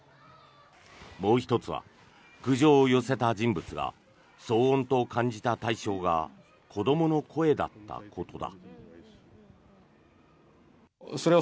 もう１つは苦情を寄せた人物が騒音と感じた対象が子どもの声だったことだ。